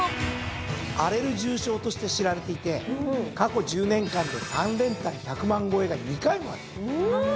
荒れる重賞として知られていて過去１０年間で３連単１００万超えが２回もある。